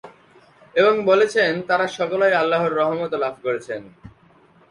এবং বলেছেন তারা সকলেই আল্লাহর রহমত লাভ করেছেন।